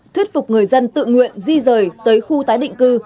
thuyết phục người dân tự nguyện di rời tới khu tái định cư